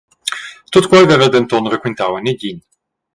Tut quei veva el denton raquintau a negin.